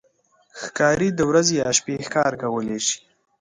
ښکاري د ورځې یا شپې ښکار کولی شي.